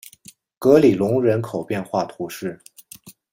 格里隆人口变化图示